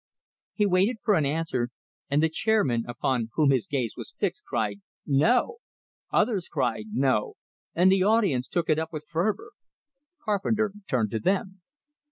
He waited for an answer, and the chairman, upon whom his gaze was fixed, cried, "No!" Others also cried, "No!" and the audience took it up with fervor. Carpenter turned to them.